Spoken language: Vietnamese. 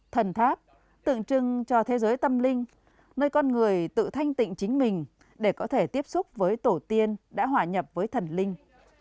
thần tháp tượng trưng cho thế giới tâm linh nơi con người tự thanh tịnh chính mình để có thể tiếp xúc với tổ tiên đã hòa nhập với thần linh